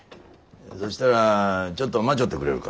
そしたらちょっと待ちょってくれるか。